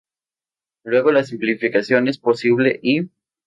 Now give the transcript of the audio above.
Luego la simplificación es posible y